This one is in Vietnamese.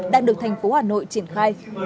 đang được thành phố hà nội triển khai